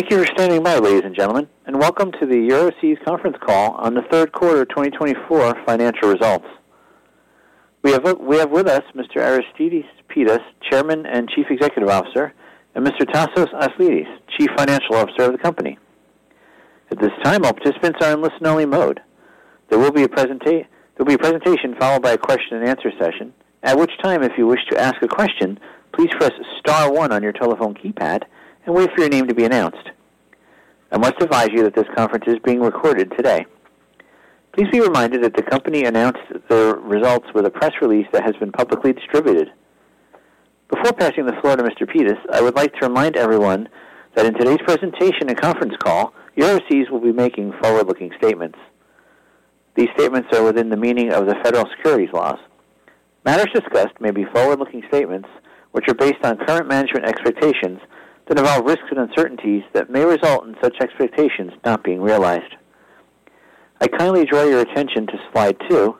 Thank you for standing by, ladies and gentlemen, and welcome to the Euroseas Conference call on the third quarter of 2024 financial results. We have with us Mr. Aristides Pittas, Chairman and Chief Executive Officer, and Mr. Tasos Aslidis, Chief Financial Officer of the company. At this time, all participants are in listen-only mode. There will be a presentation followed by a question-and-answer session, at which time, if you wish to ask a question, please press star one on your telephone keypad and wait for your name to be announced. I must advise you that this conference is being recorded today. Please be reminded that the company announced their results with a press release that has been publicly distributed. Before passing the floor to Mr. Pittas, I would like to remind everyone that in today's presentation and conference call, Euroseas will be making forward-looking statements. These statements are within the meaning of the federal securities laws. Matters discussed may be forward-looking statements which are based on current management expectations that involve risks and uncertainties that may result in such expectations not being realized. I kindly draw your attention to slide two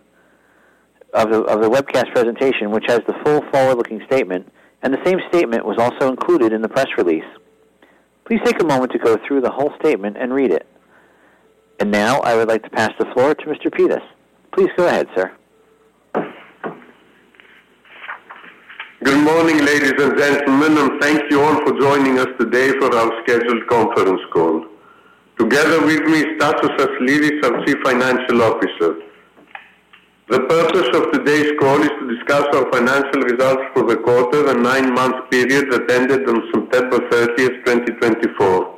of the webcast presentation, which has the full forward-looking statement, and the same statement was also included in the press release. Please take a moment to go through the whole statement and read it. And now, I would like to pass the floor to Mr. Pittas. Please go ahead, sir. Good morning, ladies and gentlemen, and thank you all for joining us today for our scheduled conference call. Together with me, Tasos Aslidis, our Chief Financial Officer. The purpose of today's call is to discuss our financial results for the quarter and nine-month period ended on September 30, 2024.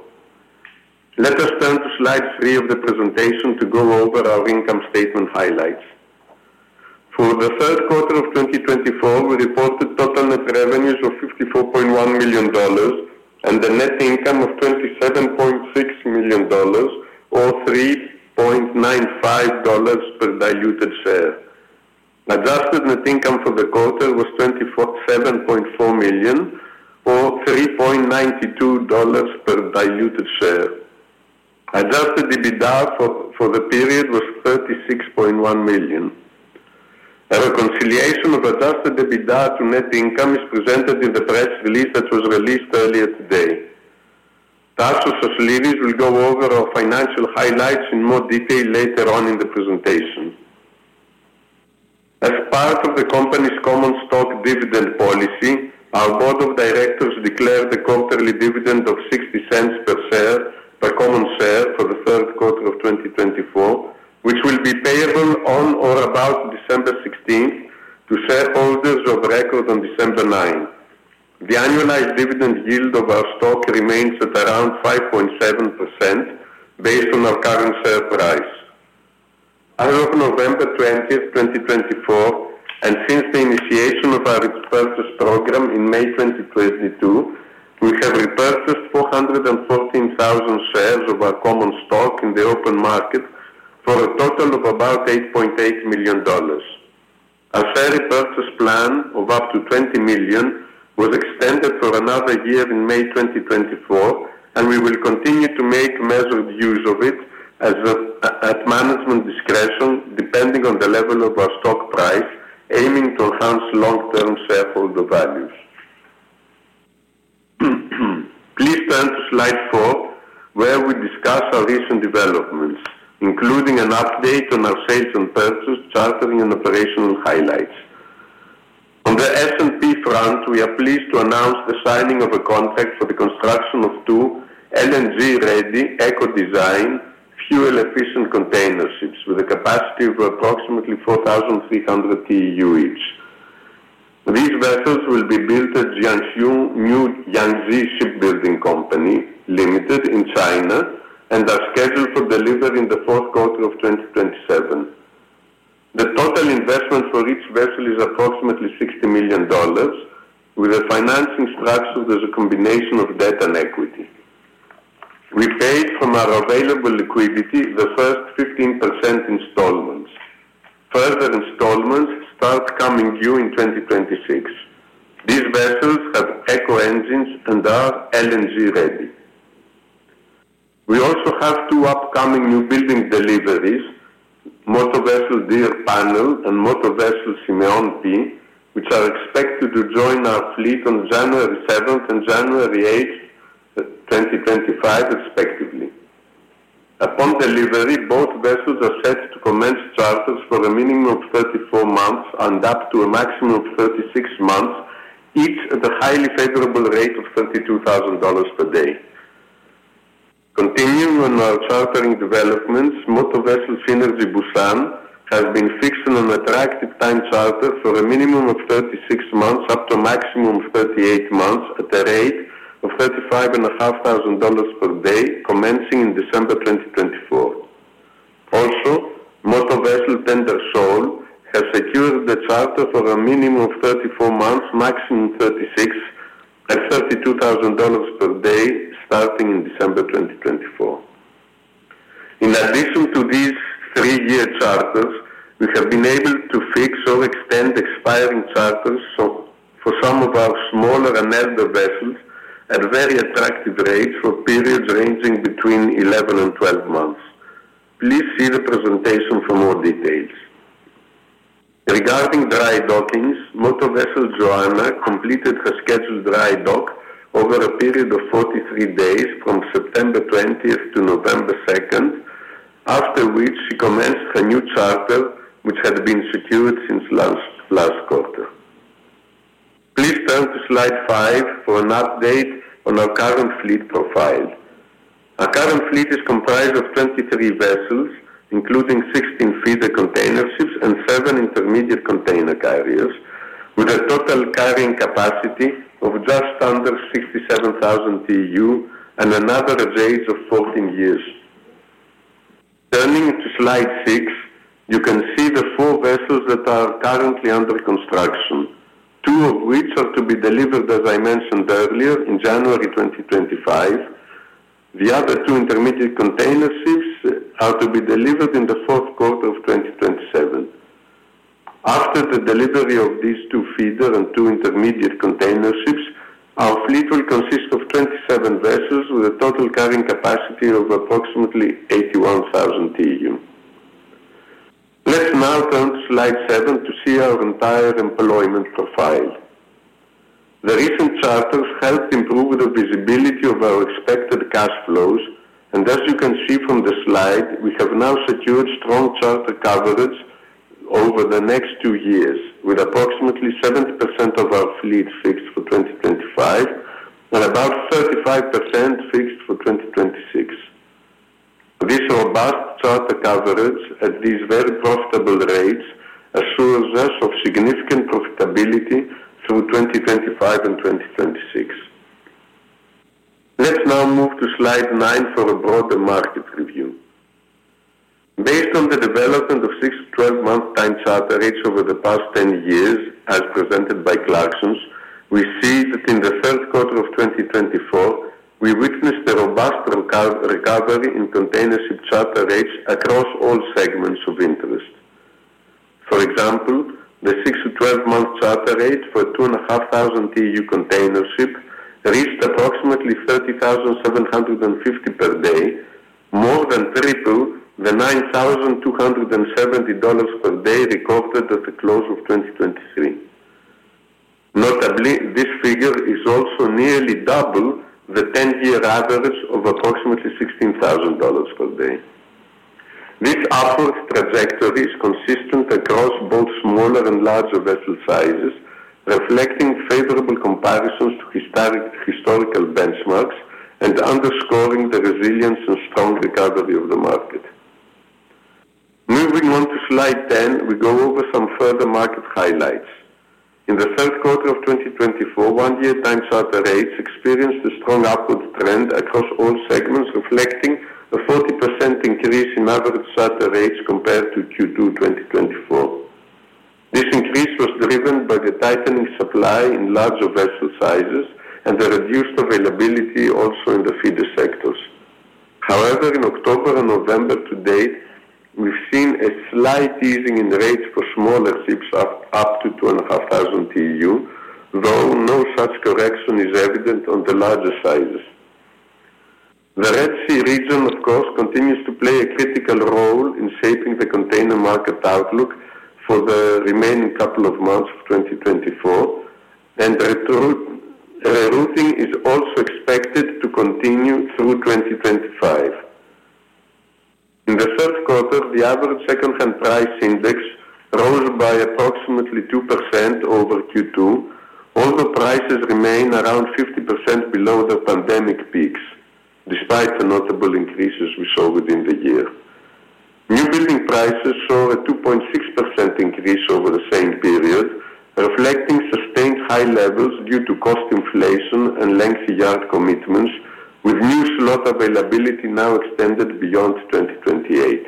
Let us turn to slide three of the presentation to go over our income statement highlights. For the third quarter of 2024, we reported total net revenues of $54.1 million and a net income of $27.6 million, or $3.95 per diluted share. Adjusted net income for the quarter was $27.4 million, or $3.92 per diluted share. Adjusted EBITDA for the period was $36.1 million. A reconciliation of adjusted EBITDA to net income is presented in the press release that was released earlier today. Tasos Aslidis will go over our financial highlights in more detail later on in the presentation. As part of the company's common stock dividend policy, our board of directors declared a quarterly dividend of $0.60 per share, per common share, for the third quarter of 2024, which will be payable on or about December 16 to shareholders of record on December 9. The annualized dividend yield of our stock remains at around 5.7% based on our current share price. As of November 20, 2024, and since the initiation of our purchase program in May 2022, we have repurchased 414,000 shares of our common stock in the open market for a total of about $8.8 million. Our share repurchase plan of up to $20 million was extended for another year in May 2024, and we will continue to make measured use of it at management discretion, depending on the level of our stock price, aiming to enhance long-term shareholder values. Please turn to slide four, where we discuss our recent developments, including an update on our sales and purchase, chartering, and operational highlights. On the S&P front, we are pleased to announce the signing of a contract for the construction of two LNG-ready eco-design, fuel-efficient container ships with a capacity of approximately 4,300 TEU each. These vessels will be built at Jiangsu New Yangzi Shipbuilding Company Limited in China and are scheduled for delivery in the fourth quarter of 2027. The total investment for each vessel is approximately $60 million, with a financing structure that is a combination of debt and equity. We paid from our available liquidity the first 15% installments. Further installments start coming due in 2026. These vessels have eco engines and are LNG-ready. We also have two upcoming new building deliveries, M/V Despina P and M/V Symeon P, which are expected to join our fleet on January 7 and January 8, 2025, respectively. Upon delivery, both vessels are set to commence charters for a minimum of 34 months and up to a maximum of 36 months, each at a highly favorable rate of $32,000 per day. Continuing on our chartering developments, M/V Synergy Busan has been fixed on an attractive time charter for a minimum of 36 months up to a maximum of 38 months at a rate of $35,500 per day, commencing in December 2024. Also, M/V Tender Soul has secured the charter for a minimum of 34 months, maximum 36, at $32,000 per day, starting in December 2024. In addition to these three-year charters, we have been able to fix or extend expiring charters for some of our smaller and older vessels at very attractive rates for periods ranging between 11 and 12 months. Please see the presentation for more details. Regarding dry dockings, Motor Vessel Joanna completed her scheduled dry dock over a period of 43 days from September 20 to November 2, after which she commenced her new charter, which had been secured since last quarter. Please turn to slide five for an update on our current fleet profile. Our current fleet is comprised of 23 vessels, including 16 feeder container ships and seven intermediate container carriers, with a total carrying capacity of just under 67,000 TEU and an average age of 14 years. Turning to slide six, you can see the four vessels that are currently under construction, two of which are to be delivered, as I mentioned earlier, in January 2025. The other two intermediate container ships are to be delivered in the fourth quarter of 2027. After the delivery of these two feeder and two intermediate container ships, our fleet will consist of 27 vessels with a total carrying capacity of approximately 81,000 TEU. Let's now turn to slide seven to see our entire employment profile. The recent charters helped improve the visibility of our expected cash flows, and as you can see from the slide, we have now secured strong charter coverage over the next two years, with approximately 70% of our fleet fixed for 2025 and about 35% fixed for 2026. This robust charter coverage at these very profitable rates assures us of significant profitability through 2025 and 2026. Let's now move to slide nine for a broader market review. Based on the development of six- to 12-month time charter rates over the past 10 years, as presented by Clarksons, we see that in the third quarter of 2024, we witnessed a robust recovery in container ship charter rates across all segments of interest. For example, the six- to 12-month charter rate for 2,500 TEU container ship reached approximately $30,750 per day, more than triple the $9,270 per day recorded at the close of 2023. Notably, this figure is also nearly double the 10-year average of approximately $16,000 per day. This upward trajectory is consistent across both smaller and larger vessel sizes, reflecting favorable comparisons to historical benchmarks and underscoring the resilience and strong recovery of the market. Moving on to slide 10, we go over some further market highlights. In the third quarter of 2024, one-year time charter rates experienced a strong upward trend across all segments, reflecting a 40% increase in average charter rates compared to Q2 2024. This increase was driven by the tightening supply in larger vessel sizes and the reduced availability also in the feeder sectors. However, in October and November to date, we've seen a slight easing in rates for smaller ships up to 2,500 TEU, though no such correction is evident on the larger sizes. The Red Sea region, of course, continues to play a critical role in shaping the container market outlook for the remaining couple of months of 2024, and rerouting is also expected to continue through 2025. In the third quarter, the average second-hand price index rose by approximately 2% over Q2, although prices remain around 50% below their pandemic peaks, despite the notable increases we saw within the year. New building prices saw a 2.6% increase over the same period, reflecting sustained high levels due to cost inflation and lengthy yard commitments, with new slot availability now extended beyond 2028.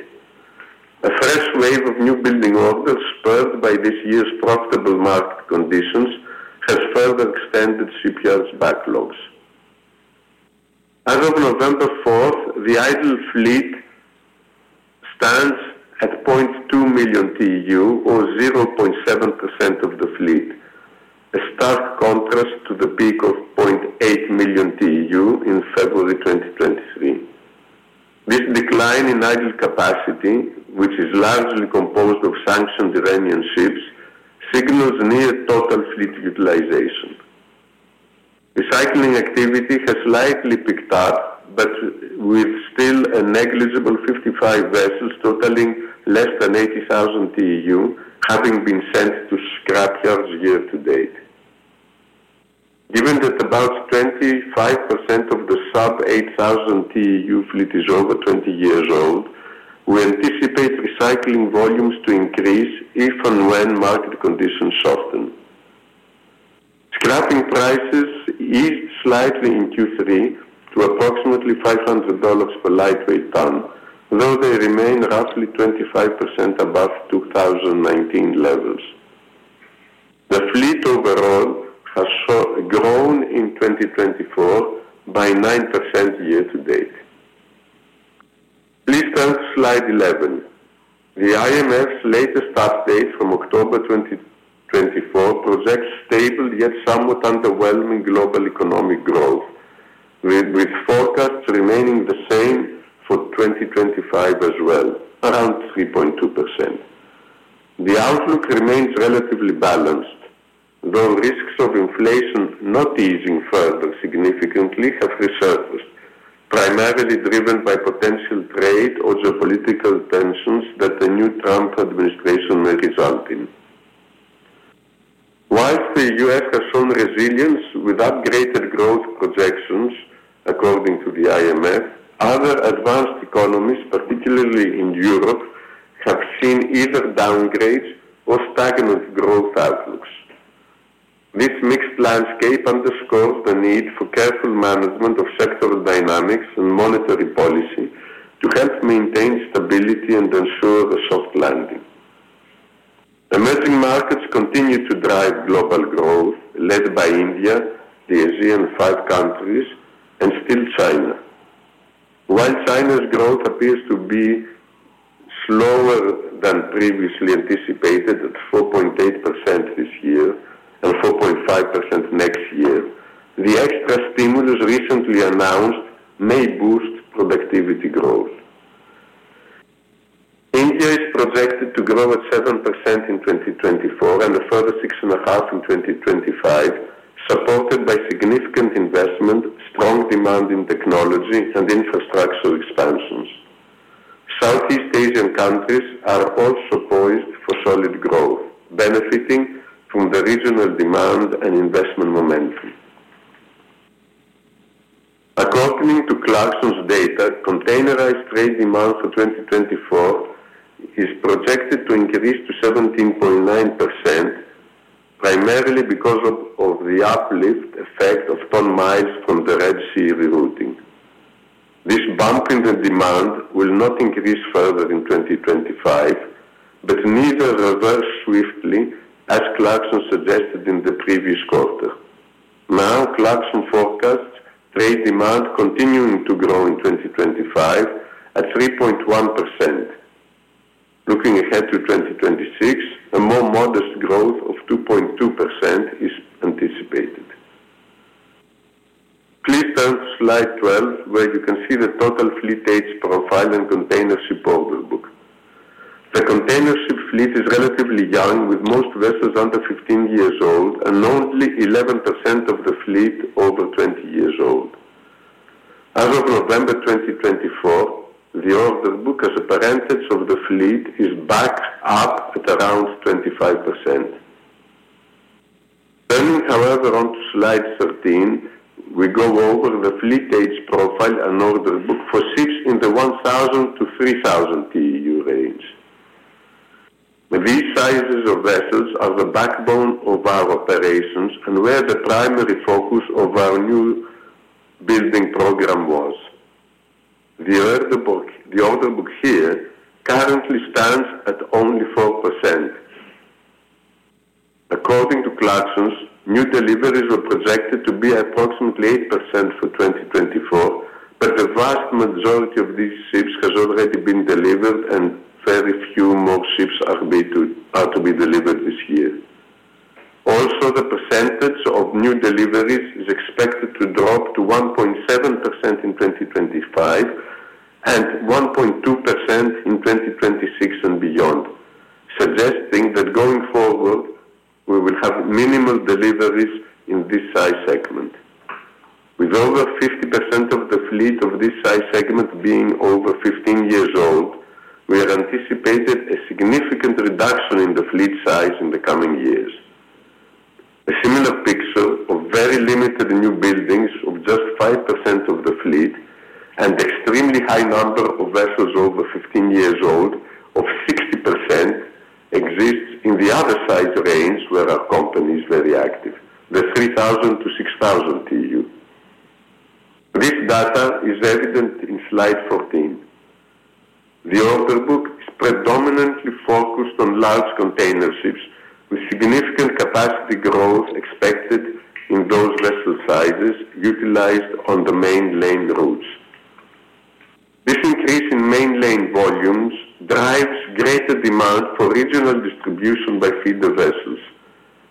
A fresh wave of new building orders, spurred by this year's profitable market conditions, has further extended shipyards' backlogs. As of November 4, the idle fleet stands at 0.2 million TEU, or 0.7% of the fleet, a stark contrast to the peak of 0.8 million TEU in February 2023. This decline in idle capacity, which is largely composed of sanctioned Iranian ships, signals near total fleet utilization. Recycling activity has slightly picked up, but with still a negligible 55 vessels totaling less than 80,000 TEU having been sent to scrapyards year to date. Given that about 25% of the sub-8,000 TEU fleet is over 20 years old, we anticipate recycling volumes to increase if and when market conditions soften. Scrapping prices eased slightly in Q3 to approximately $500 per lightweight ton, though they remain roughly 25% above 2019 levels. The fleet overall has grown in 2024 by 9% year to date. Please turn to slide 11. The IMF's latest update from October 2024 projects stable yet somewhat underwhelming global economic growth, with forecasts remaining the same for 2025 as well, around 3.2%. The outlook remains relatively balanced, though risks of inflation not easing further significantly have resurfaced, primarily driven by potential trade or geopolitical tensions that the new Trump administration may result in. While the U.S. has shown resilience with upgraded growth projections, according to the IMF, other advanced economies, particularly in Europe, have seen either downgrades or stagnant growth outlooks. This mixed landscape underscores the need for careful management of sectoral dynamics and monetary policy to help maintain stability and ensure a soft landing. Emerging markets continue to drive global growth, led by India, the ASEAN five countries, and still China. While China's growth appears to be slower than previously anticipated, at 4.8% this year and 4.5% next year, the extra stimulus recently announced may boost productivity growth. India is projected to grow at 7% in 2024 and a further 6.5% in 2025, supported by significant investment, strong demand in technology, and infrastructure expansions. Southeast Asian countries are also poised for solid growth, benefiting from the regional demand and investment momentum. According to Clarksons' data, containerized trade demand for 2024 is projected to increase to 17.9%, primarily because of the uplift effect of ton miles from the Red Sea rerouting. This bump in the demand will not increase further in 2025, but neither reverse swiftly, as Clarksons suggested in the previous quarter. Now, Clarksons forecasts trade demand continuing to grow in 2025 at 3.1%. Looking ahead to 2026, a more modest growth of 2.2% is anticipated. Please turn to slide 12, where you can see the total fleet age profile and container ship order book. The container ship fleet is relatively young, with most vessels under 15 years old, and only 11% of the fleet over 20 years old. As of November 2024, the order book as a percentage of the fleet is back up at around 25%. Turning, however, to slide 13, we go over the fleet age profile and order book for ships in the 1,000-3,000 TEU range. These sizes of vessels are the backbone of our operations and where the primary focus of our new building program was. The order book here currently stands at only 4%. According to Clarksons, new deliveries are projected to be approximately 8% for 2024, but the vast majority of these ships has already been delivered and very few more ships are to be delivered this year. Also, the percentage of new deliveries is expected to drop to 1.7% in 2025 and 1.2% in 2026 and beyond, suggesting that going forward, we will have minimal deliveries in this size segment. With over 50% of the fleet of this size segment being over 15 years old, we anticipate a significant reduction in the fleet size in the coming years. A similar picture of very limited new buildings of just 5% of the fleet and extremely high number of vessels over 15 years old of 60% exists in the other size range where our company is very active, the 3,000 to 6,000 TEU. This data is evident in slide 14. The order book is predominantly focused on large container ships, with significant capacity growth expected in those vessel sizes utilized on the mainlane routes. This increase in mainlane volumes drives greater demand for regional distribution by feeder vessels,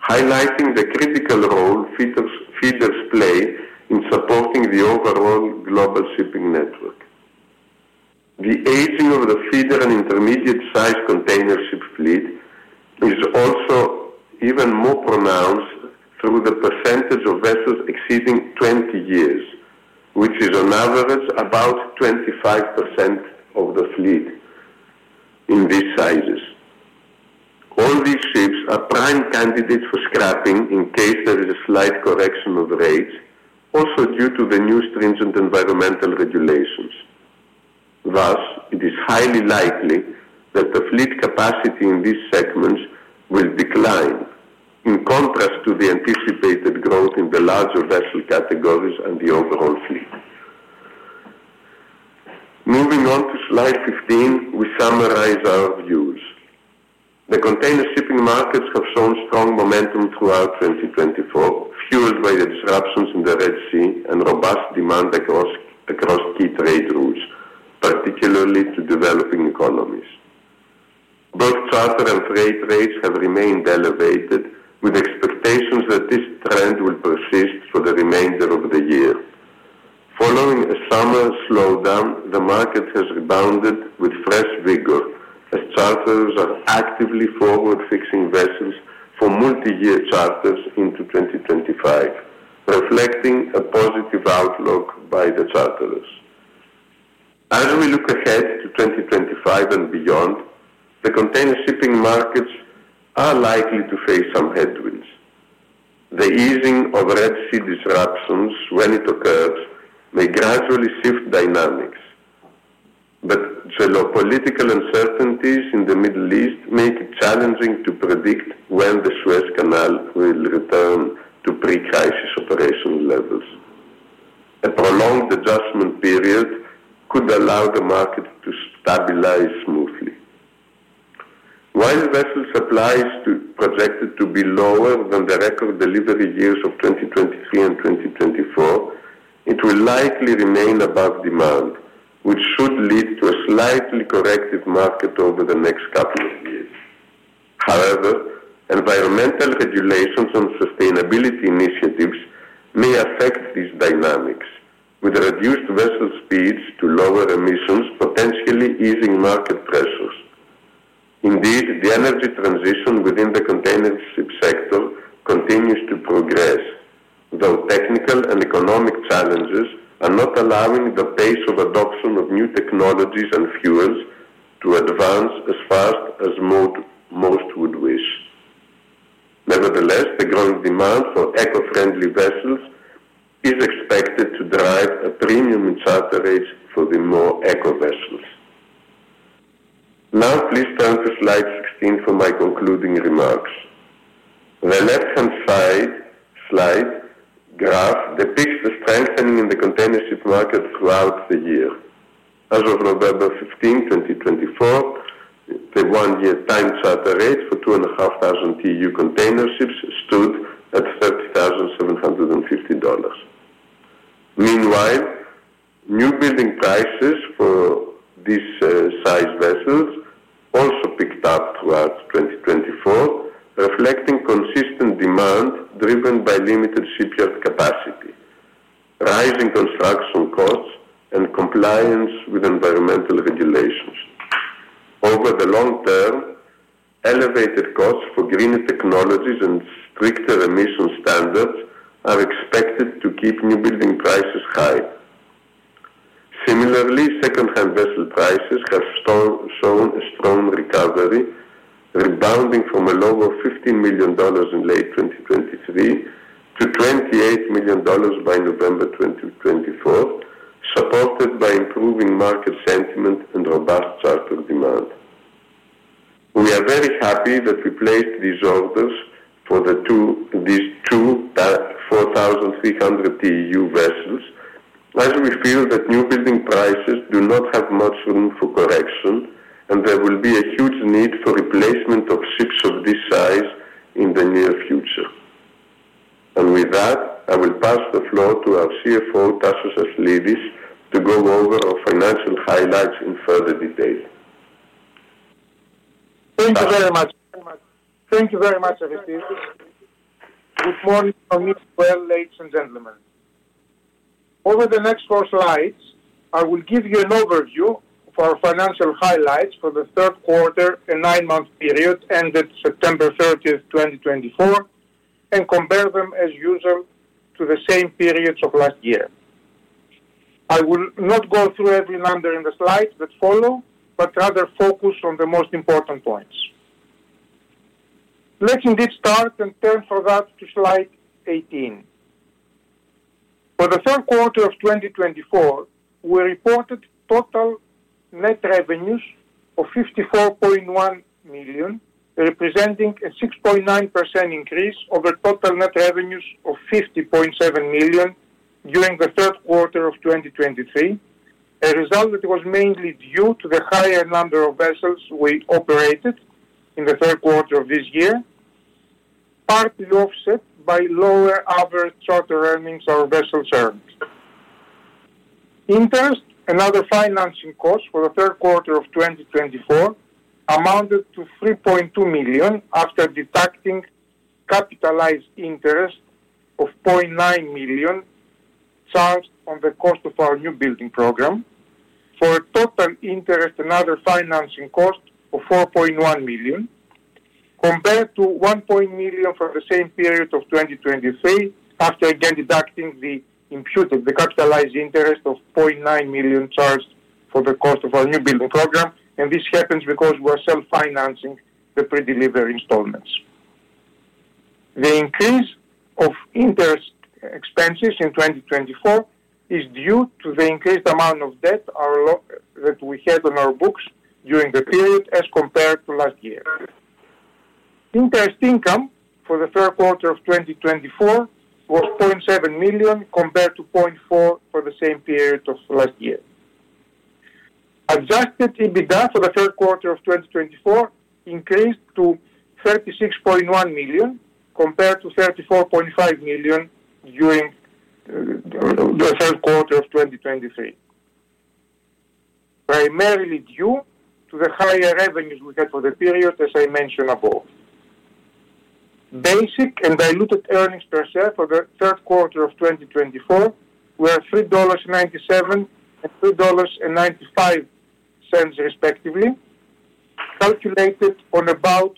highlighting the critical role feeders play in supporting the overall global shipping network. The aging of the feeder and intermediate size container ship fleet is also even more pronounced through the percentage of vessels exceeding 20 years, which is on average about 25% of the fleet in these sizes. All these ships are prime candidates for scrapping in case there is a slight correction of rates, also due to the new stringent environmental regulations. Thus, it is highly likely that the fleet capacity in these segments will decline, in contrast to the anticipated growth in the larger vessel categories and the overall fleet. Moving on to slide 15, we summarize our views. The container shipping markets have shown strong momentum throughout 2024, fueled by the disruptions in the Red Sea and robust demand across key trade routes, particularly to developing economies. Both charter and freight rates have remained elevated, with expectations that this trend will persist for the remainder of the year. Following a summer slowdown, the market has rebounded with fresh vigor as charters are actively forward-fixing vessels for multi-year charters into 2025, reflecting a positive outlook by the charterers. As we look ahead to 2025 and beyond, the container shipping markets are likely to face some headwinds. The easing of Red Sea disruptions, when it occurs, may gradually shift dynamics, but geopolitical uncertainties in the Middle East make it challenging to predict when the Suez Canal will return to pre-crisis operational levels. A prolonged adjustment period could allow the market to stabilize smoothly. While vessel supplies are projected to be lower than the record delivery years of 2023 and 2024, it will likely remain above demand, which should lead to a slightly corrective market over the next couple of years. However, environmental regulations and sustainability initiatives may affect these dynamics, with reduced vessel speeds to lower emissions potentially easing market pressures. Indeed, the energy transition within the container ship sector continues to progress, though technical and economic challenges are not allowing the pace of adoption of new technologies and fuels to advance as fast as most would wish. Nevertheless, the growing demand for eco-friendly vessels is expected to drive a premium in charter rates for the more eco vessels. Now, please turn to slide 16 for my concluding remarks. The left-hand side slide graph depicts the strengthening in the container ship market throughout the year. As of November 15, 2024, the one-year time charter rate for 2,500 TEU container ships stood at $30,750. Meanwhile, new building prices for these size vessels also picked up throughout 2024, reflecting consistent demand driven by limited shipyard capacity, rising construction costs, and compliance with environmental regulations. Over the long term, elevated costs for greener technologies and stricter emission standards are expected to keep new building prices high. Similarly, second-hand vessel prices have shown a strong recovery, rebounding from a low of $15 million in late 2023 to $28 million by November 2024, supported by improving market sentiment and robust charter demand. We are very happy that we placed these orders for these two 4,300 TEU vessels as we feel that new building prices do not have much room for correction and there will be a huge need for replacement of ships of this size in the near future. And with that, I will pass the floor to our CFO, Tasos Aslidis, to go over our financial highlights in further detail. Thank you very much. Thank you very much, Aristides. Good morning from me as well, ladies and gentlemen. Over the next four slides, I will give you an overview of our financial highlights for the third quarter, a nine-month period ended September 30, 2024, and compare them, as usual, to the same periods of last year. I will not go through every number in the slides that follow, but rather focus on the most important points. Let's indeed start and turn for that to slide 18. For the third quarter of 2024, we reported total net revenues of $54.1 million, representing a 6.9% increase over total net revenues of $50.7 million during the third quarter of 2023, a result that was mainly due to the higher number of vessels we operated in the third quarter of this year, partly offset by lower average charter earnings our vessels earned. Interest, another financing cost for the third quarter of 2024, amounted to $3.2 million after deducting capitalized interest of $0.9 million charged on the cost of our new building program, for a total interest and other financing cost of $4.1 million, compared to $1.0 million for the same period of 2023 after again deducting the imputed, the capitalized interest of $0.9 million charged for the cost of our new building program, and this happens because we are self-financing the pre-delivery installments. The increase of interest expenses in 2024 is due to the increased amount of debt that we had on our books during the period as compared to last year. Interest income for the third quarter of 2024 was $0.7 million compared to $0.4 million for the same period of last year. Adjusted EBITDA for the third quarter of 2024 increased to $36.1 million compared to $34.5 million during the third quarter of 2023, primarily due to the higher revenues we had for the period, as I mentioned above. Basic and diluted earnings per share for the third quarter of 2024 were $3.97 and $3.95 respectively, calculated on about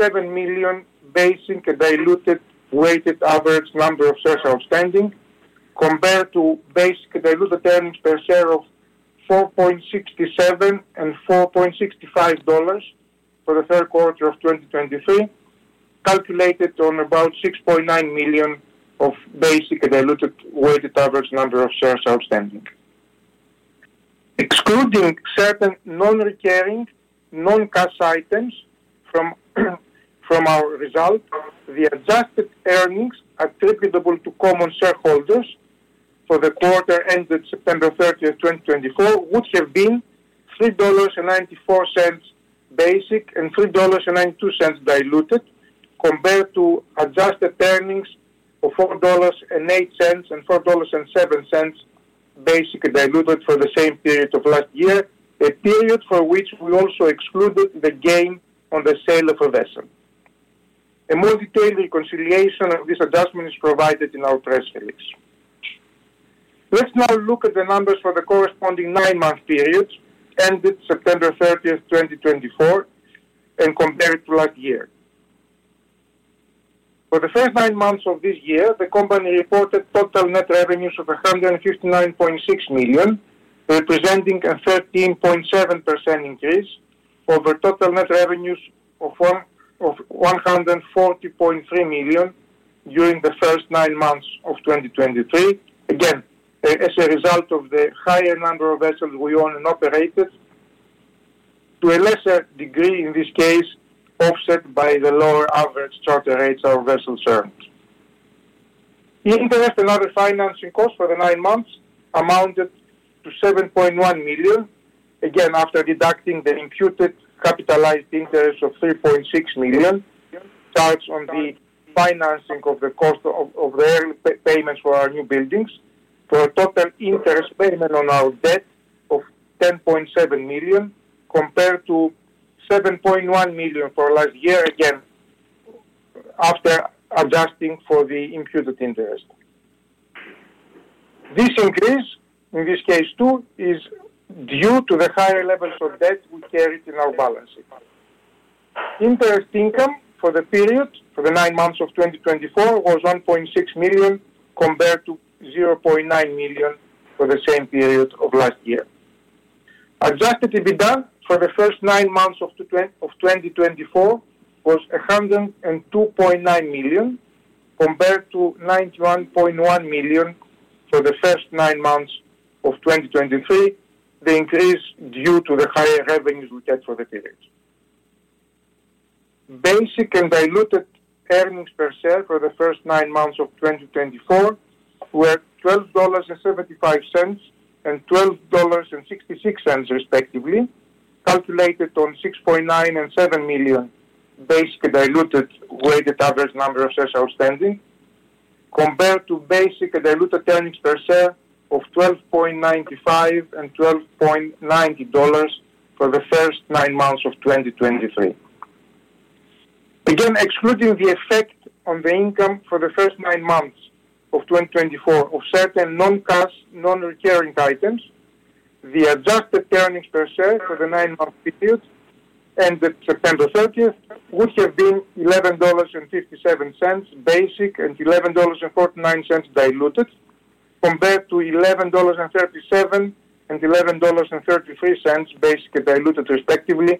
7 million basic and diluted weighted average number of shares outstanding, compared to basic and diluted earnings per share of $4.67 and $4.65 for the third quarter of 2023, calculated on about 6.9 million of basic and diluted weighted average number of shares outstanding. Excluding certain non-recurring, non-cash items from our result, the adjusted earnings attributable to common shareholders for the quarter ended September 30, 2024, would have been $3.94 basic and $3.92 diluted, compared to adjusted earnings of $4.08 and $4.07 basic and diluted for the same period of last year, a period for which we also excluded the gain on the sale of a vessel. A more detailed reconciliation of this adjustment is provided in our press release. Let's now look at the numbers for the corresponding nine-month period ended September 30, 2024, and compare it to last year. For the first nine months of this year, the company reported total net revenues of $159.6 million, representing a 13.7% increase over total net revenues of $140.3 million during the first nine months of 2023, again, as a result of the higher number of vessels we own and operated, to a lesser degree in this case offset by the lower average charter rates our vessels earned. The interest and other financing costs for the nine months amounted to $7.1 million, again after deducting the imputed capitalized interest of $3.6 million charged on the financing of the cost of the early payments for our new buildings, for a total interest payment on our debt of $10.7 million, compared to $7.1 million for last year, again, after adjusting for the imputed interest. This increase, in this case too, is due to the higher levels of debt we carried on our balance sheet. Interest income for the period, for the nine months of 2024, was $1.6 million compared to $0.9 million for the same period of last year. Adjusted EBITDA for the first nine months of 2024 was $102.9 million, compared to $91.1 million for the first nine months of 2023, the increase due to the higher revenues we had for the period. Basic and diluted earnings per share for the first nine months of 2024 were $12.75 and $12.66 respectively, calculated on $6.9 million and $7 million basic and diluted weighted average number of shares outstanding, compared to basic and diluted earnings per share of $12.95 and $12.90 for the first nine months of 2023. Again, excluding the effect on the income for the first nine months of 2024 of certain non-cash, non-recurring items, the adjusted earnings per share for the nine-month period ended September 30 would have been $11.57 basic and $11.49 diluted, compared to $11.37 and $11.33 basic and diluted respectively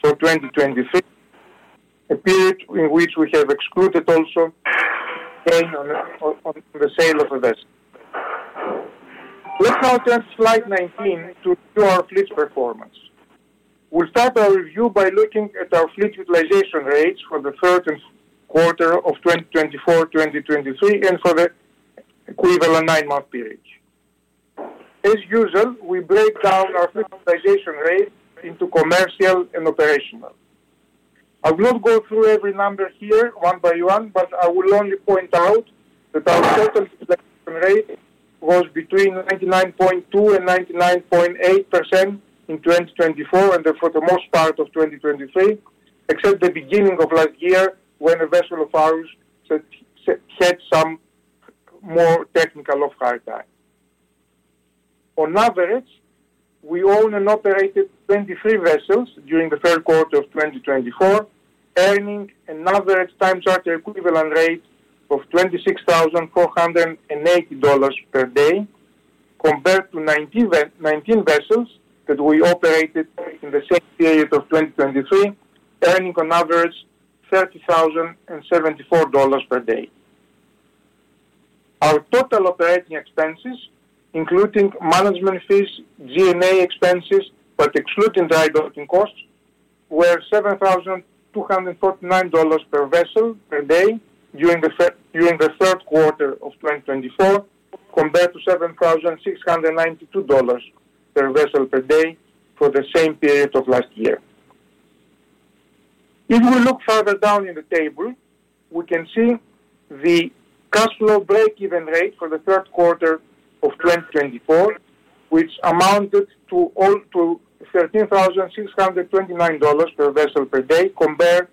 for 2023, a period in which we have excluded also gain on the sale of a vessel. Let's now turn to slide 19 to view our fleet's performance. We'll start our review by looking at our fleet utilization rates for the third quarter of 2024 and 2023 and for the equivalent nine-month period. As usual, we break down our fleet utilization rate into commercial and operational. I will not go through every number here one by one, but I will only point out that our total utilization rate was between 99.2% and 99.8% in 2024 and for the most part of 2023, except the beginning of last year when a vessel of ours had some more technical off-hire time. On average, we owned and operated 23 vessels during the third quarter of 2024, earning an average time charter equivalent rate of $26,480 per day, compared to 19 vessels that we operated in the same period of 2023, earning on average $30,074 per day. Our total operating expenses, including management fees, G&A expenses, but excluding dry docking costs, were $7,249 per vessel per day during the third quarter of 2024, compared to $7,692 per vessel per day for the same period of last year. If we look further down in the table, we can see the cash flow break-even rate for the third quarter of 2024, which amounted to $13,629 per vessel per day, compared to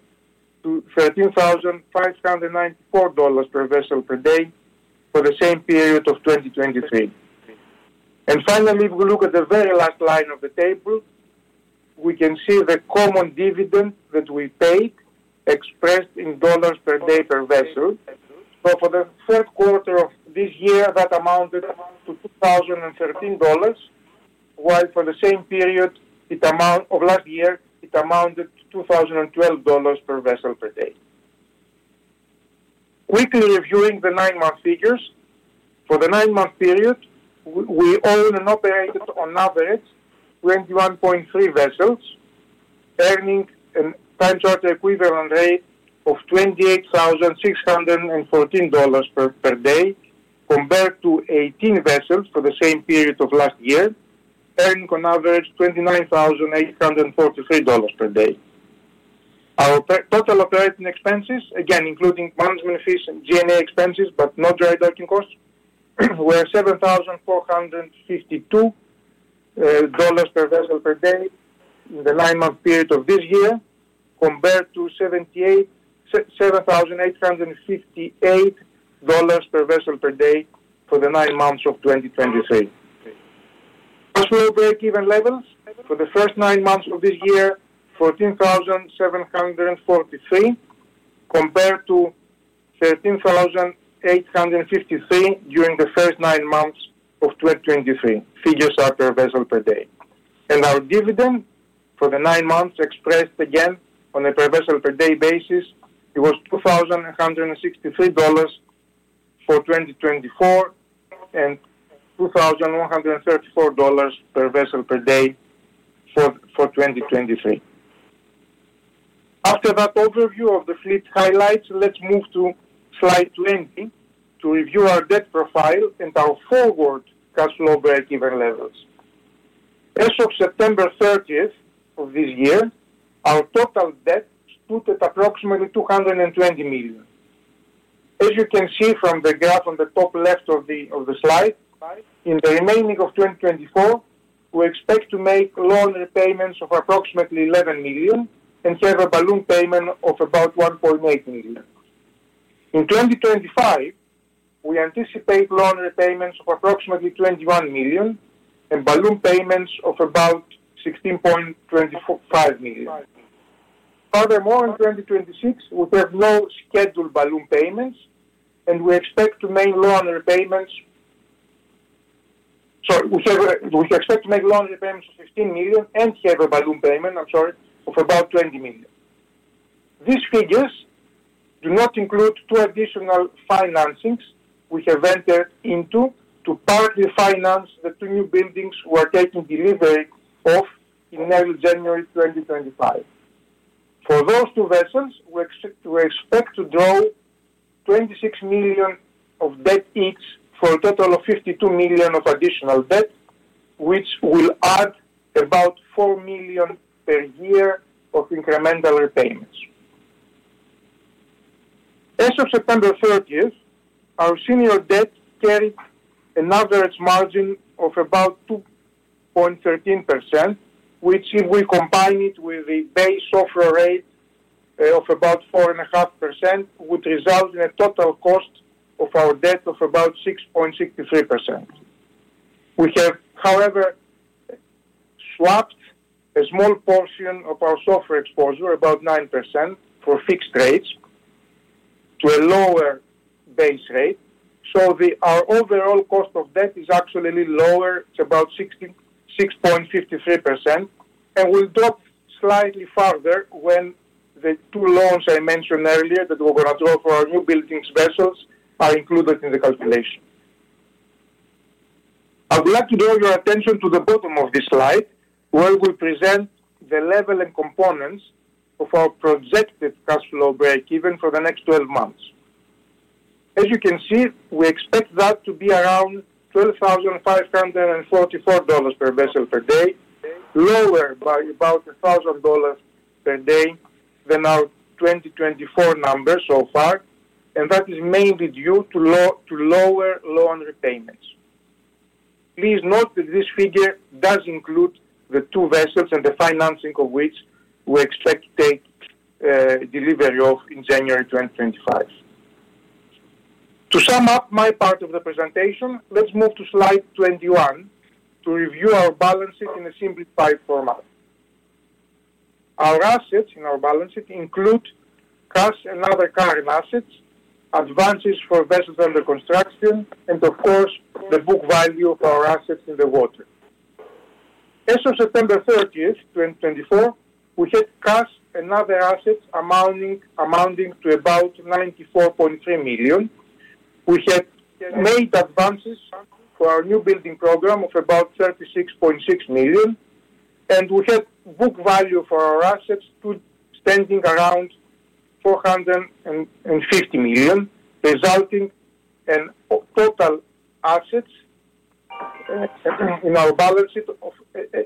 $13,594 per vessel per day for the same period of 2023. And finally, if we look at the very last line of the table, we can see the common dividend that we paid, expressed in dollars per day per vessel. So for the third quarter of this year, that amounted to $2,013, while for the same period of last year, it amounted to $2,012 per vessel per day. Quickly reviewing the nine-month figures, for the nine-month period, we own and operated on average 21.3 vessels, earning a time charter equivalent rate of $28,614 per day, compared to 18 vessels for the same period of last year, earning on average $29,843 per day. Our total operating expenses, again including management fees and G&A expenses, but not dry docking costs, were $7,452 per vessel per day in the nine-month period of this year, compared to $7,858 per vessel per day for the nine months of 2023. Cash flow break-even levels for the first nine months of this year, $14,743, compared to $13,853 during the first nine months of 2023. Figures are per vessel per day. Our dividend for the nine months, expressed again on a per vessel per day basis, was $2,163 for 2024 and $2,134 per vessel per day for 2023. After that overview of the fleet highlights, let's move to slide 20 to review our debt profile and our forward cash flow break-even levels. As of September 30 of this year, our total debt stood at approximately $220 million. As you can see from the graph on the top left of the slide, in the remaining of 2024, we expect to make loan repayments of approximately $11 million and have a balloon payment of about $1.8 million. In 2025, we anticipate loan repayments of approximately $21 million and balloon payments of about $16.25 million. Furthermore, in 2026, we have no scheduled balloon payments, and we expect to make loan repayments, sorry, we expect to make loan repayments of $15 million and have a balloon payment, I'm sorry, of about $20 million. These figures do not include two additional financings we have entered into to partly finance the two new buildings we are taking delivery of in early January 2025. For those two vessels, we expect to draw $26 million of debt each for a total of $52 million of additional debt, which will add about $4 million per year of incremental repayments. As of September 30, our senior debt carried an average margin of about 2.13%, which, if we combine it with a base offer rate of about 4.5%, would result in a total cost of our debt of about 6.63%. We have, however, swapped a small portion of our swap exposure, about 9%, for fixed rates to a lower base rate, so our overall cost of debt is actually lower. It's about 6.53%, and we'll drop slightly further when the two loans I mentioned earlier that we're going to draw for our new building vessels are included in the calculation. I would like to draw your attention to the bottom of this slide, where we present the level and components of our projected cash flow break-even for the next 12 months. As you can see, we expect that to be around $12,544 per vessel per day, lower by about $1,000 per day than our 2024 numbers so far, and that is mainly due to lower loan repayments. Please note that this figure does include the two vessels and the financing of which we expect to take delivery of in January 2025. To sum up my part of the presentation, let's move to slide 21 to review our balance sheet in a simplified format. Our assets in our balance sheet include cash and other current assets, advances for vessels under construction, and, of course, the book value of our assets in the water. As of September 30, 2024, we had cash and other assets amounting to about $94.3 million. We had made advances for our new building program of about $36.6 million, and we had book value for our assets standing around $450 million, resulting in total assets in our balance sheet of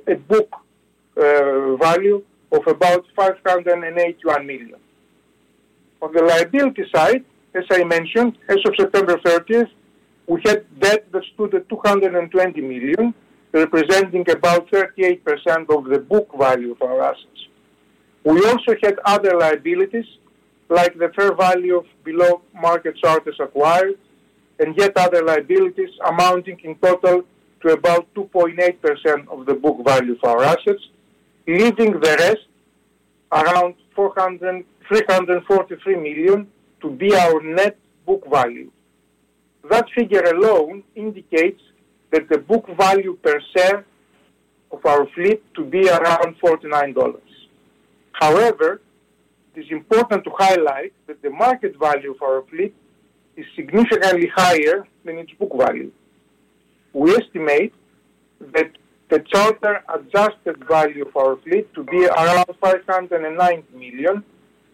a book value of about $581 million. On the liability side, as I mentioned, as of September 30, we had debt that stood at $220 million, representing about 38% of the book value of our assets. We also had other liabilities, like the fair value of below-market charter acquired and yet other liabilities amounting in total to about 2.8% of the book value of our assets, leaving the rest around $343 million to be our net book value. That figure alone indicates that the book value per share of our fleet to be around $49. However, it is important to highlight that the market value of our fleet is significantly higher than its book value. We estimate that the charter adjusted value of our fleet to be around $509 million,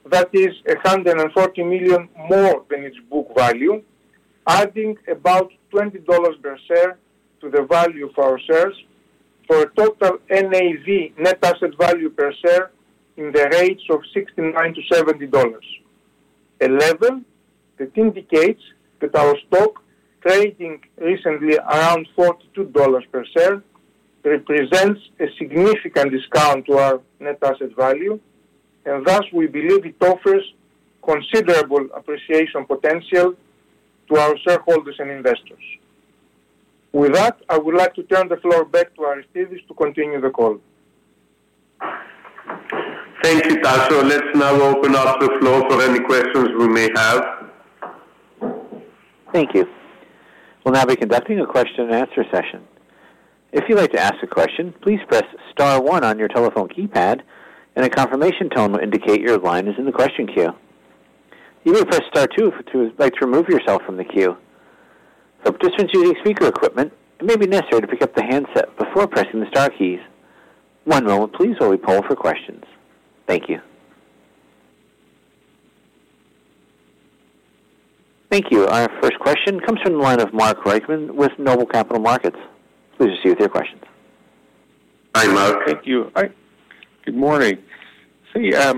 that is $140 million more than its book value, adding about $20 per share to the value of our shares for a total NAV, net asset value per share, in the range of $69-$70. A level that indicates that our stock, trading recently around $42 per share, represents a significant discount to our net asset value, and thus we believe it offers considerable appreciation potential to our shareholders and investors. With that, I would like to turn the floor back to Aristides to continue the call. Thank you, Tasos. Let's now open up the floor for any questions we may have. Thank you. We'll now be conducting a question-and-answer session. If you'd like to ask a question, please press star one on your telephone keypad, and a confirmation tone will indicate your line is in the question queue. You may press star two if you'd like to remove yourself from the queue. For participants using speaker equipment, it may be necessary to pick up the handset before pressing the star keys. One moment, please, while we poll for questions. Thank you. Thank you. Our first question comes from the line of Mark Reichman with Noble Capital Markets. Please proceed with your questions. Hi, Mark. Thank you. Hi. Good morning. See, I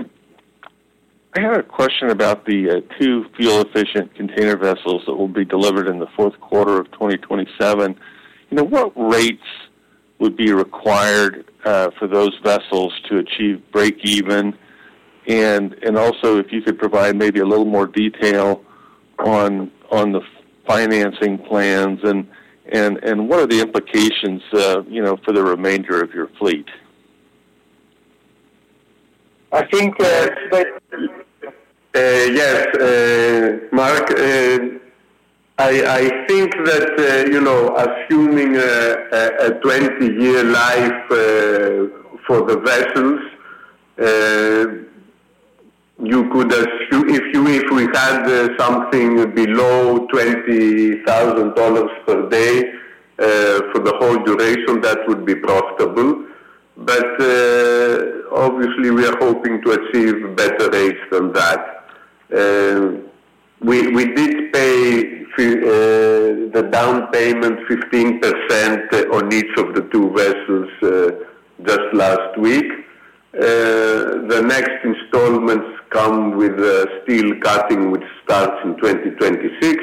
had a question about the two fuel-efficient container vessels that will be delivered in the fourth quarter of 2027. What rates would be required for those vessels to achieve break-even? And also, if you could provide maybe a little more detail on the financing plans and what are the implications for the remainder of your fleet? I think that. Yes, Mark. I think that assuming a 20-year life for the vessels, you could assume if we had something below $20,000 per day for the whole duration, that would be profitable. But obviously, we are hoping to achieve better rates than that. We did pay the down payment 15% on each of the two vessels just last week. The next installments come with steel cutting, which starts in 2026,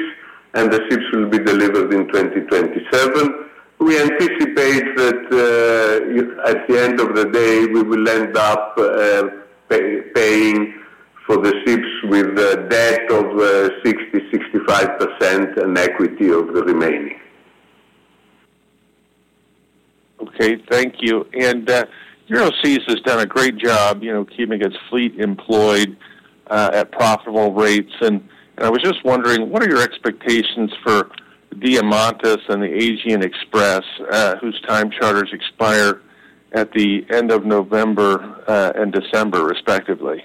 and the ships will be delivered in 2027. We anticipate that at the end of the day, we will end up paying for the ships with a debt of 60%-65% and equity of the remaining. Okay. Thank you. And Euroseas has done a great job keeping its fleet employed at profitable rates. And I was just wondering, what are your expectations for Diamantis and the Aegean Express, whose time charters expire at the end of November and December, respectively?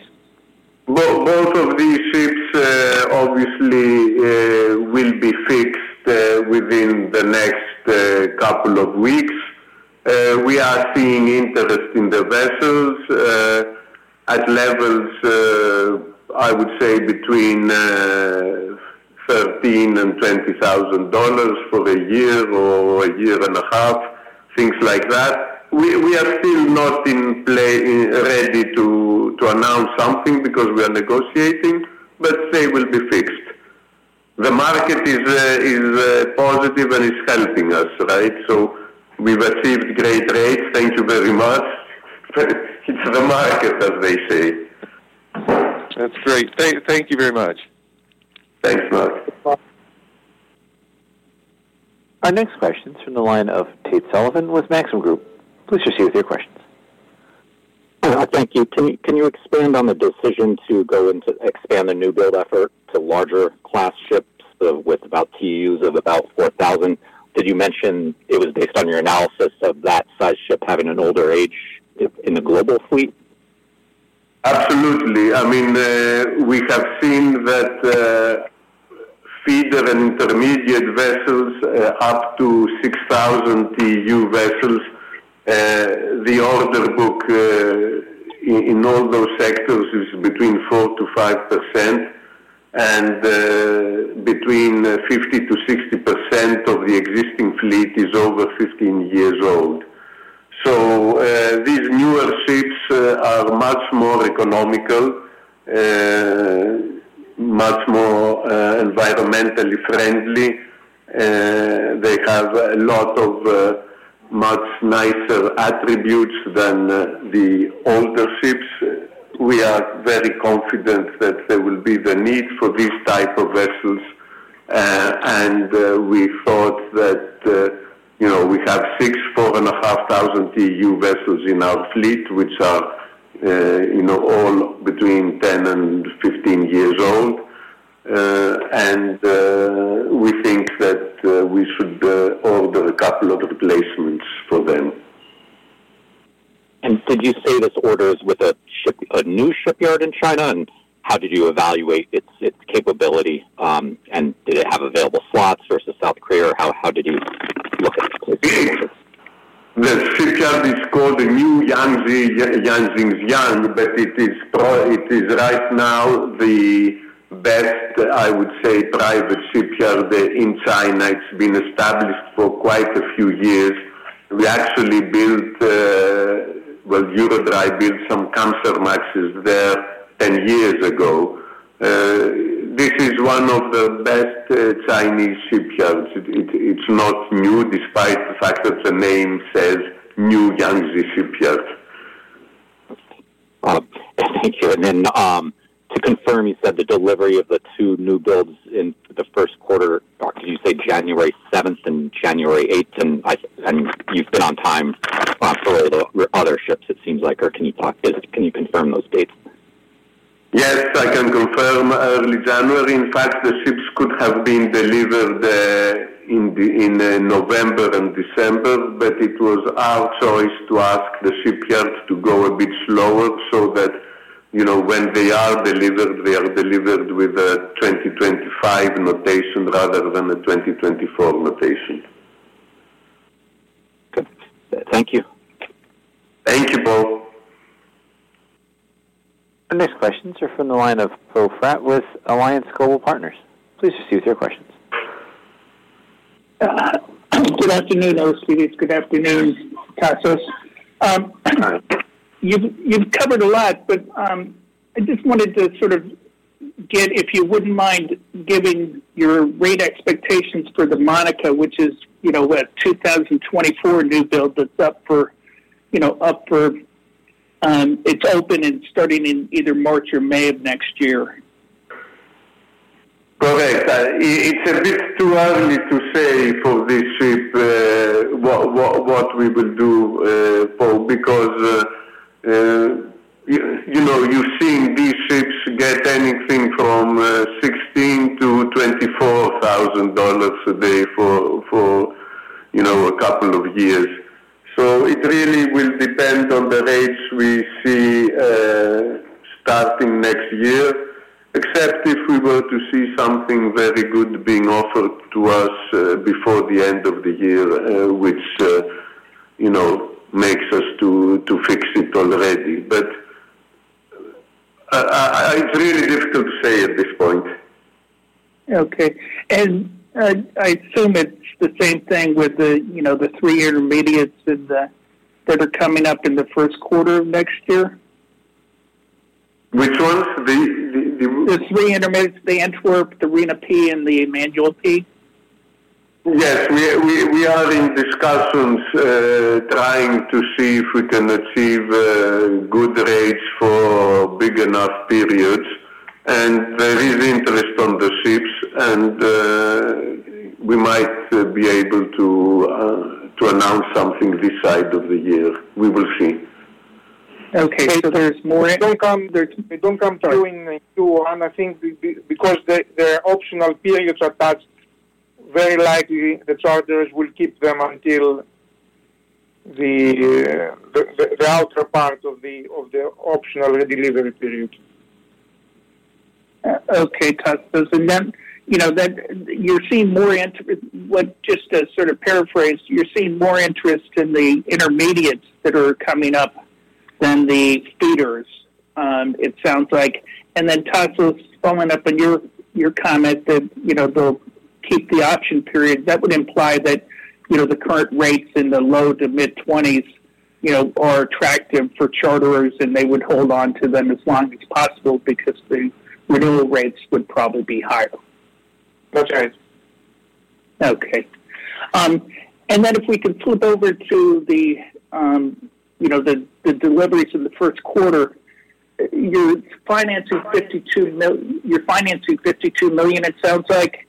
Both of these ships, obviously, will be fixed within the next couple of weeks. We are seeing interest in the vessels at levels, I would say, between $13,000-$20,000 for a year or a year and a half, things like that. We are still not ready to announce something because we are negotiating, but they will be fixed. The market is positive and is helping us, right? So we've achieved great rates. Thank you very much. It's the market, as they say. That's great. Thank you very much. Thanks, Mark. Our next question is from the line of Tate Sullivan with Maxim Group. Please proceed with your questions. Thank you. Can you expand on the decision to go into expanding the newbuild effort to larger class ships with about 4,000 TEUs? Did you mention it was based on your analysis of that size ship having an older age in the global fleet? Absolutely. I mean, we have seen that feeder and intermediate vessels up to 6,000 TEU vessels, the order book in all those sectors is between 4%-5%, and between 50%-60% of the existing fleet is over 15 years old. So these newer ships are much more economical, much more environmentally friendly. They have a lot of much nicer attributes than the older ships. We are very confident that there will be the need for these types of vessels, and we thought that we have six 4,500 TEU vessels in our fleet, which are all between 10 and 15 years old, and we think that we should order a couple of replacements for them. And did you say this order is with a new shipyard in China? And how did you evaluate its capability? And did it have available slots versus South Korea? How did you look at the placement of it? The shipyard is called the New Yangzi, but it is right now the best, I would say, private shipyard in China. It's been established for quite a few years. We actually built, well, Eurodry built some Kamsarmaxes there 10 years ago. This is one of the best Chinese shipyards. It's not new, despite the fact that the name says New Yangzi Shipyard. Thank you. And then to confirm, you said the delivery of the two newbuilds in the first quarter, did you say January 7 and January 8? And you've been on time for all the other ships, it seems like. Or can you confirm those dates? Yes, I can confirm early January. In fact, the ships could have been delivered in November and December, but it was our choice to ask the shipyard to go a bit slower so that when they are delivered, they are delivered with a 2025 notation rather than a 2024 notation. Thank you. Thank you both. Our next questions are from the line of Poe Fratt with Alliance Global Partners. Please proceed with your questions. Good afternoon, Aristides. Good afternoon, Tasos. You've covered a lot, but I just wanted to sort of get, if you wouldn't mind, giving your rate expectations for the Monica, which is a 2024 newbuild that's up for. It's open and starting in either March or May of next year. Correct. It's a bit too early to say for this ship what we will do because you've seen these ships get anything from $16,000-$24,000 a day for a couple of years. So it really will depend on the rates we see starting next year, except if we were to see something very good being offered to us before the end of the year, which makes us to fix it already. But it's really difficult to say at this point. Okay. And I assume it's the same thing with the three intermediates that are coming up in the first quarter of next year. Which ones? The three intermediates, the Antwerp, the Rena P, and the Emmanuel P. Yes. We are in discussions trying to see if we can achieve good rates for big enough periods, and there is interest on the ships, and we might be able to announce something this side of the year. We will see. Okay. So there's more. Don't come off in June, I think, because there are optional periods attached. Very likely, the charters will keep them until the outer part of the optional delivery period. Okay, Tasos. And then you're seeing more—just to sort of paraphrase, you're seeing more interest in the intermediates that are coming up than the feeders, it sounds like. And then Tasos, following up on your comment that they'll keep the option period, that would imply that the current rates in the low to mid-20s are attractive for charters, and they would hold on to them as long as possible because the renewal rates would probably be higher. That's right. Okay. And then if we can flip over to the deliveries in the first quarter, you're financing $52 million, it sounds like.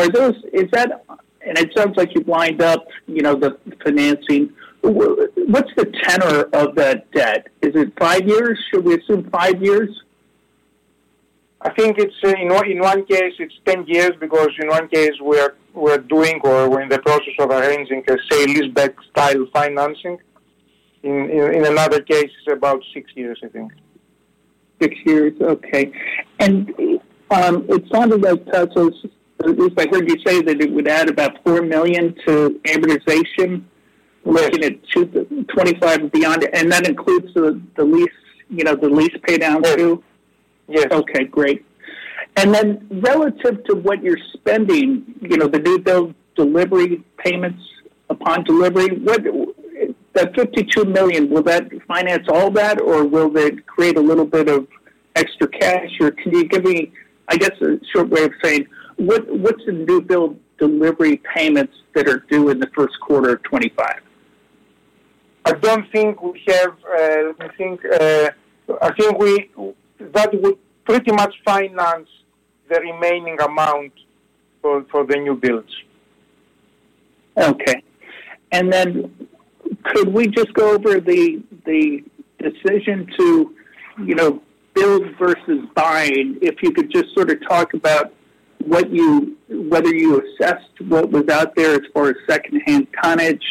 And it sounds like you've lined up the financing. What's the tenor of that debt? Is it five years? Should we assume five years? I think in one case, it's 10 years because in one case, we're doing or we're in the process of arranging a sale and leaseback-style financing. In another case, it's about six years, I think. Six years. Okay. And it sounded like, Tasos, at least I heard you say that it would add about four million to amortization, making it 2025 and beyond. And that includes the lease pay down too? Yes. Okay. Great. And then relative to what you're spending, the newbuild delivery payments upon delivery, that $52 million, will that finance all that, or will that create a little bit of extra cash? Or can you give me, I guess, a short way of saying what's the newbuild delivery payments that are due in the first quarter of 2025? I don't think we have. Let me think. I think that would pretty much finance the remaining amount for the newbuilds. Okay. And then could we just go over the decision to build versus buy? If you could just sort of talk about whether you assessed what was out there as far as secondhand tonnage?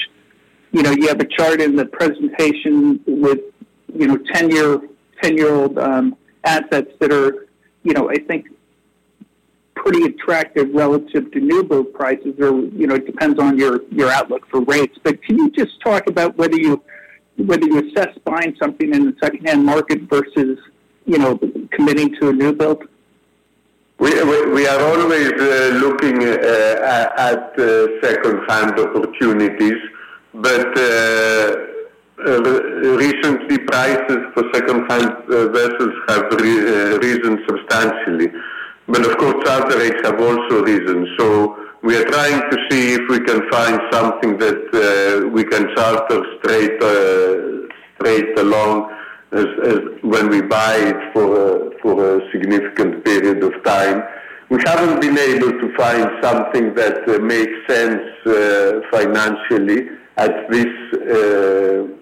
You have a chart in the presentation with 10-year-old assets that are, I think, pretty attractive relative to newbuild prices, or it depends on your outlook for rates. But can you just talk about whether you assess buying something in the secondhand market versus committing to a newbuild? We are always looking at secondhand opportunities, but recently, prices for secondhand vessels have risen substantially, but of course, charter rates have also risen. So we are trying to see if we can find something that we can charter straightaway when we buy it for a significant period of time. We haven't been able to find something that makes sense financially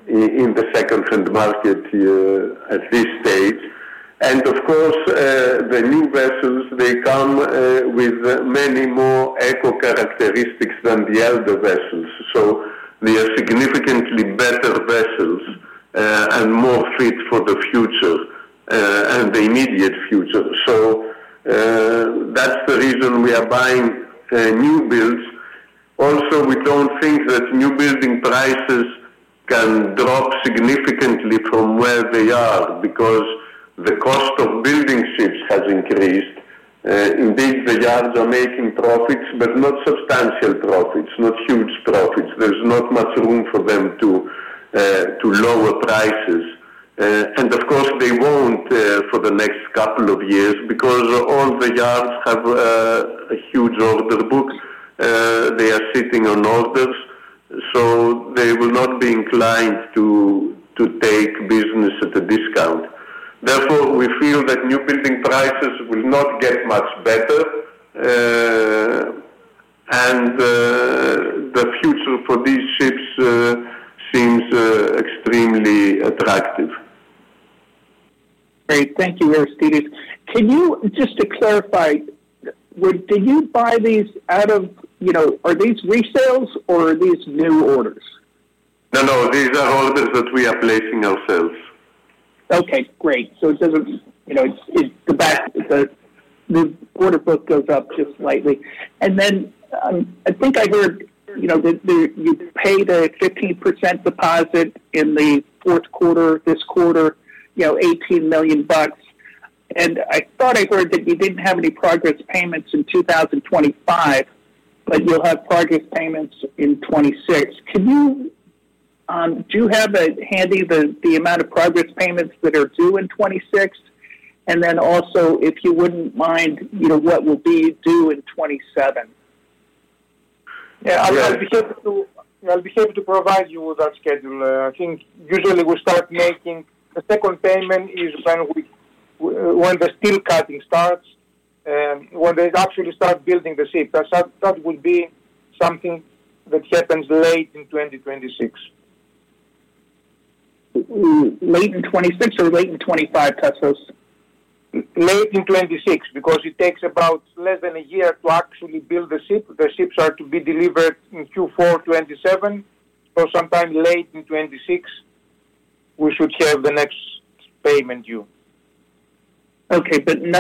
in the secondhand market at this stage, and of course, the new vessels, they come with many more eco characteristics than the older vessels. So they are significantly better vessels and more fit for the future and the immediate future, so that's the reason we are buying newbuilds. Also, we don't think that new building prices can drop significantly from where they are because the cost of building ships has increased. Indeed, the yards are making profits, but not substantial profits, not huge profits. There's not much room for them to lower prices, and of course, they won't for the next couple of years because all the yards have a huge order book. They are sitting on orders, so they will not be inclined to take business at a discount. Therefore, we feel that new building prices will not get much better, and the future for these ships seems extremely attractive. Great. Thank you, Aristides. Just to clarify, did you buy these out of, are these resales or are these new orders? No, no. These are orders that we are placing ourselves. Okay. Great. So it doesn't. The order book goes up just slightly. And then I think I heard that you pay the 15% deposit in the fourth quarter, this quarter, $18 million. And I thought I heard that you didn't have any progress payments in 2025, but you'll have progress payments in 2026. Do you have handy the amount of progress payments that are due in 2026? And then also, if you wouldn't mind, what will be due in 2027? Yeah. I'll be able to provide you with that schedule. I think usually we start making the second payment is when the steel cutting starts, when they actually start building the ship. That would be something that happens late in 2026. Late in 2026 or late in 2025, Tasos? Late in 2026 because it takes about less than a year to actually build the ship. The ships are to be delivered in Q4 2027, so sometime late in 2026, we should have the next payment due. Okay, but we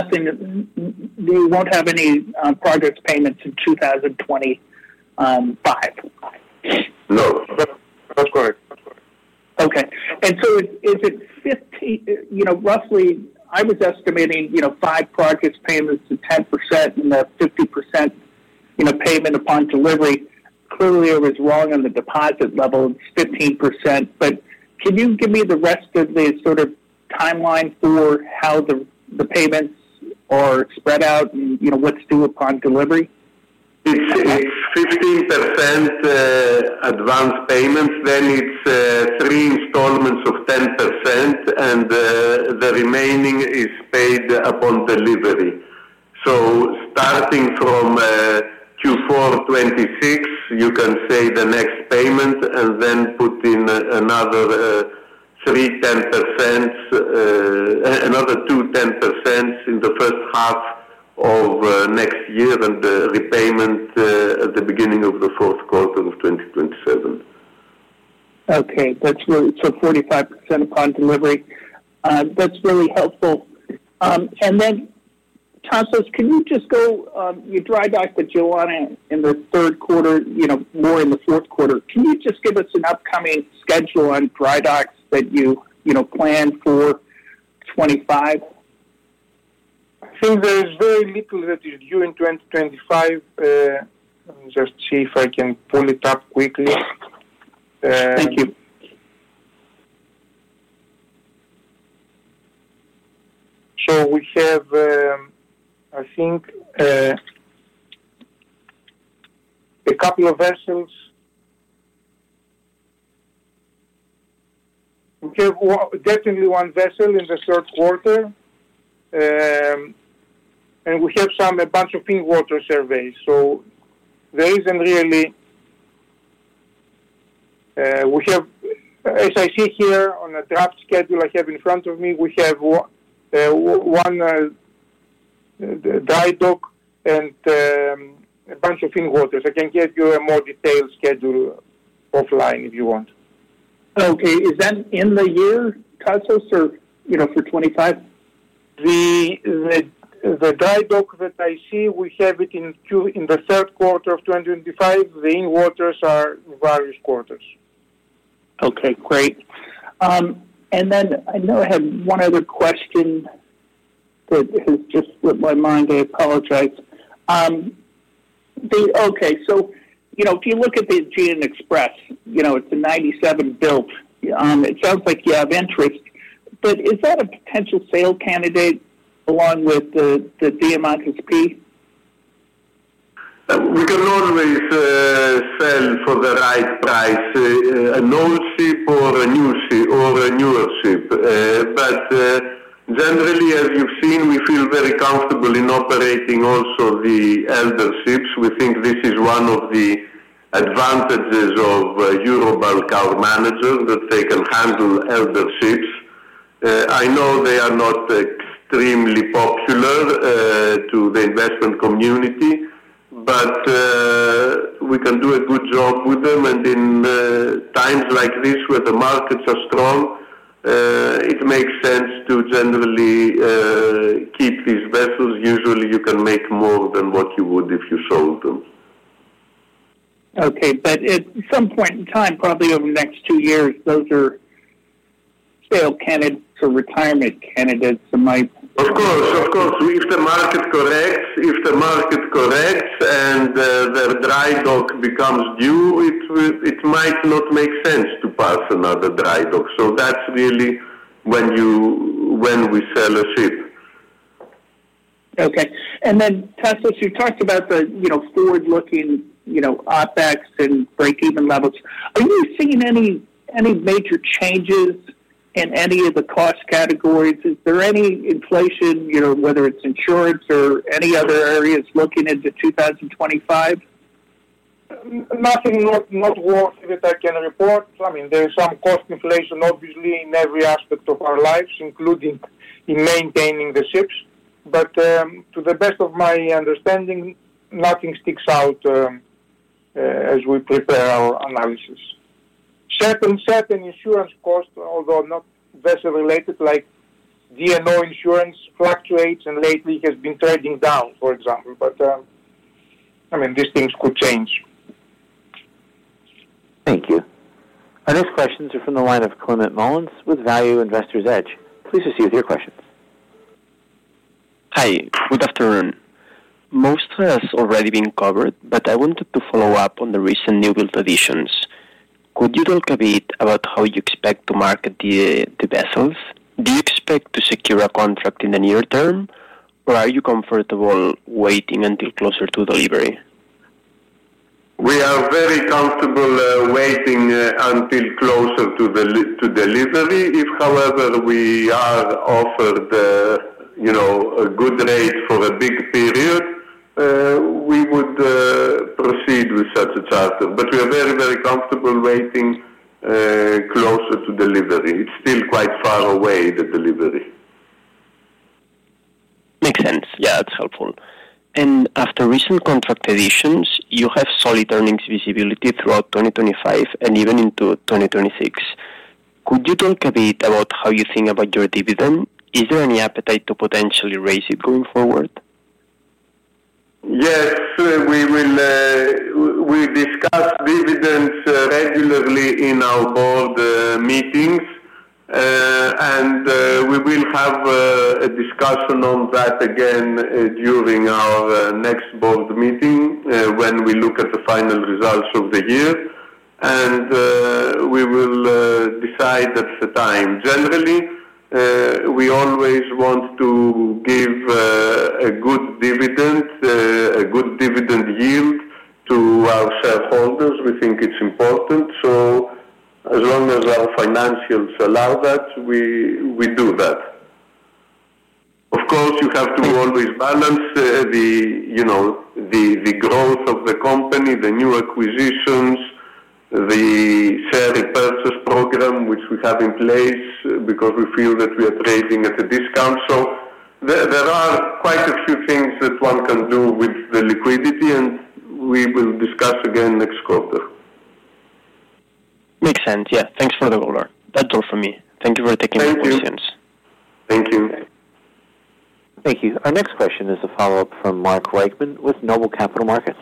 won't have any progress payments in 2025? No. That's correct. Okay. And so is it roughly, I was estimating five progress payments to 10% and a 50% payment upon delivery. Clearly, I was wrong on the deposit level. It's 15%. But can you give me the rest of the sort of timeline for how the payments are spread out and what's due upon delivery? It's 15% advance payment. Then it's three installments of 10%, and the remaining is paid upon delivery. So starting from Q4 2026, you can say the next payment and then put in another three 10%, another two 10% in the first half of next year and the repayment at the beginning of the fourth quarter of 2027. Okay. So 45% upon delivery. That's really helpful. And then, Tasos, can you just go—you dry docked the Joanna in the third quarter, more in the fourth quarter. Can you just give us an upcoming schedule on dry docks that you plan for 2025? I think there's very little that is due in 2025. Let me just see if I can pull it up quickly. Thank you. So we have, I think, a couple of vessels. We have definitely one vessel in the third quarter, and we have a bunch of in-water surveys. So there isn't really, as I see here on the draft schedule I have in front of me, we have one dry dock and a bunch of in-water vessels. I can get you a more detailed schedule offline if you want. Okay. Is that in the year, Tasos, or for 2025? The dry dock that I see, we have it in the third quarter of 2025. The in-water vessels are in various quarters. Okay. Great. And then I know I have one other question that has just slipped my mind. I apologize. Okay. So if you look at the Aegean Express, it's a 1997 build. It sounds like you have interest. But is that a potential sale candidate along with the Diamantis P? We can always sell for the right price, an old ship or a new ship or a newer ship, but generally, as you've seen, we feel very comfortable in operating also the older ships. We think this is one of the advantages of Euroseas managers that they can handle older ships. I know they are not extremely popular to the investment community, but we can do a good job with them, and in times like this, where the markets are strong, it makes sense to generally keep these vessels. Usually, you can make more than what you would if you sold them. Okay, but at some point in time, probably over the next two years, those are sale candidates or retirement candidates. Of course. Of course. If the market corrects, if the market corrects, and the dry dock becomes due, it might not make sense to pass another dry dock. So that's really when we sell a ship. Okay. And then, Tasos, you talked about the forward-looking OpEx and break-even levels. Are you seeing any major changes in any of the cost categories? Is there any inflation, whether it's insurance or any other areas, looking into 2025? Nothing noteworthy that I can report. I mean, there is some cost inflation, obviously, in every aspect of our lives, including in maintaining the ships. But to the best of my understanding, nothing sticks out as we prepare our analysis. Certain insurance costs, although not vessel-related, like D&O insurance, fluctuates and lately has been trading down, for example. But I mean, these things could change. Thank you. Our next questions are from the line of Climent Molins with Value Investor's Edge. Please proceed with your questions. Hi. Good afternoon. Most has already been covered, but I wanted to follow up on the recent newbuild additions. Could you talk a bit about how you expect to market the vessels? Do you expect to secure a contract in the near term, or are you comfortable waiting until closer to delivery? We are very comfortable waiting until closer to delivery. If, however, we are offered a good rate for a big period, we would proceed with such a charter. But we are very, very comfortable waiting closer to delivery. It's still quite far away, the delivery. Makes sense. Yeah, that's helpful. After recent contract additions, you have solid earnings visibility throughout 2025 and even into 2026. Could you talk a bit about how you think about your dividend? Is there any appetite to potentially raise it going forward? Yes. We discuss dividends regularly in our board meetings, and we will have a discussion on that again during our next board meeting when we look at the final results of the year, and we will decide at the time. Generally, we always want to give a good dividend, a good dividend yield to our shareholders. We think it's important, so as long as our financials allow that, we do that. Of course, you have to always balance the growth of the company, the new acquisitions, the share repurchase program, which we have in place because we feel that we are trading at a discount, so there are quite a few things that one can do with the liquidity, and we will discuss again next quarter. Makes sense. Yeah. Thanks for the rollout. That's all from me. Thank you for taking the questions. Thank you. Thank you. Our next question is a follow-up from Mark Reichman with Noble Capital Markets.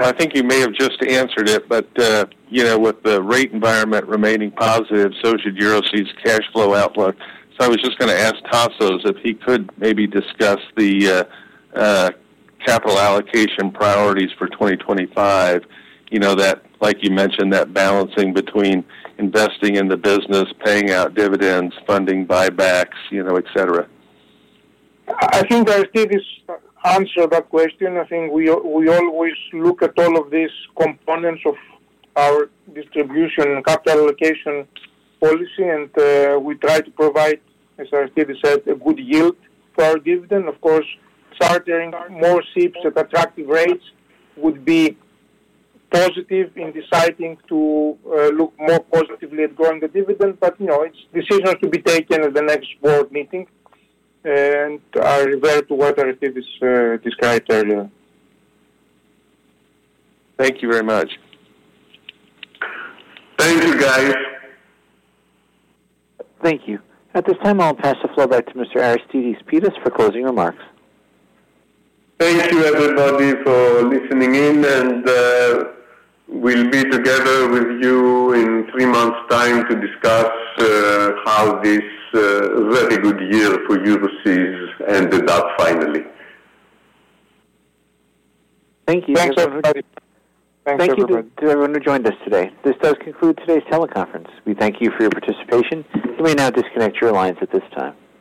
I think you may have just answered it, but with the rate environment remaining positive, so should Euroseas' cash flow outlook. So I was just going to ask Tasos if he could maybe discuss the capital allocation priorities for 2025, like you mentioned, that balancing between investing in the business, paying out dividends, funding buybacks, etc. I think Aristides answered that question. I think we always look at all of these components of our distribution and capital allocation policy, and we try to provide, as Aristides said, a good yield for our dividend. Of course, chartering more ships at attractive rates would be positive in deciding to look more positively at growing the dividend. But it's decisions to be taken at the next board meeting and revert to what Aristides described earlier. Thank you very much. Thank you, guys. Thank you. At this time, I'll pass the floor back to Mr. Aristides Pittas for closing remarks. Thank you, everybody, for listening in, and we'll be together with you in three months' time to discuss how this very good year for Euroseas ended up finally. Thank you. Thanks, everybody. Thanks, everybody. Thank you to everyone who joined us today. This does conclude today's teleconference. We thank you for your participation. You may now disconnect your lines at this time.